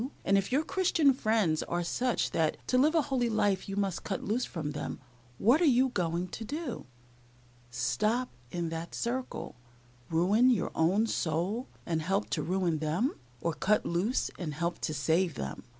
and, if your Christian friends are such that to live a holy life you must cut loose from them, what are you going to do stop in that circle, ruin your own soul, and help to ruin them, or cut loose and help to save them?"